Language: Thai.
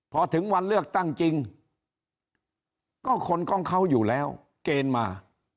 พอถึงวันเลือกตั้งจริงก็คนของเขาอยู่แล้วเกณฑ์มา